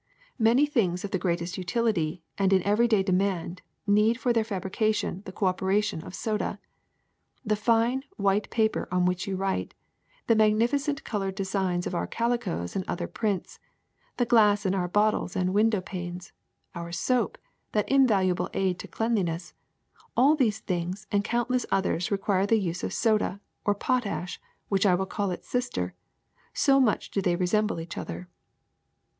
Many things of the greatest utility and in everyday demand need for their fabrication the cooperation of soda. The fine, white paper on which you write, the magnificent colored designs of our calicoes and other prints, the glass in our bottles and window panes, our soap, that invaluable aid to cleanliness, all these things and countless others re quire the use of soda, or of potash, which I will call its sister, so much do they resemble each other."